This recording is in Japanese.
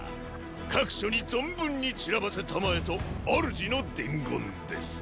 各所に存分に散らばせたまえと主の伝言です。